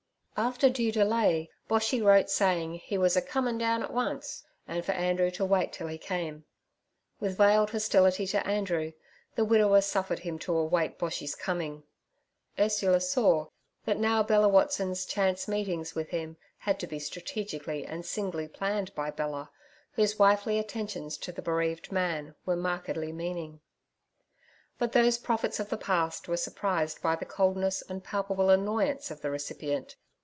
After due delay Boshy wrote saying he was 'a comin' down at once' and for Andrew to wait till he came. With veiled hostility to Andrew, the widower suffered him to await Boshy's coming. Ursula saw that now Bella Watson's chance meetings with him had to be strategically and singly planned by Bella, whose wifely attentions to the bereaved man were markedly meaning. But those prophets of the past were surprised by the coldness and palpable annoyance of the recipient.